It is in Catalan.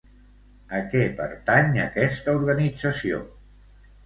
A què pertany aquesta organització?